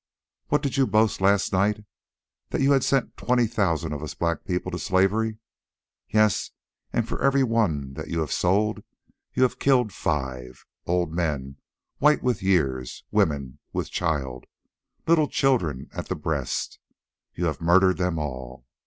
What did you boast last night—that you had sent twenty thousand of us black people to slavery? Yes, and for every one that you have sold you have killed five—old men white with years, women with child, little children at the breast, you have murdered them all.